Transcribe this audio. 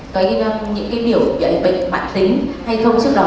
có những cái điều bị bệnh mạng tính hay không trước đó